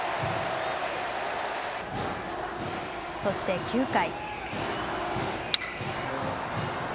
そして９回。